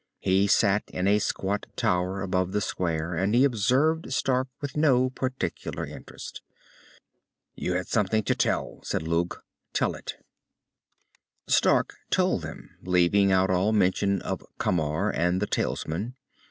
He sat in a squat tower above the square, and he observed Stark with no particular interest. "You had something to tell," said Lugh. "Tell it." Stark told them, leaving out all mention of Camar and the talisman.